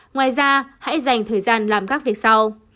ngoài ra hãy dành thời gian làm các việc sau